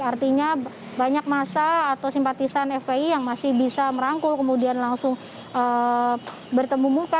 artinya banyak masa atau simpatisan fpi yang masih bisa merangkul kemudian langsung bertemu muka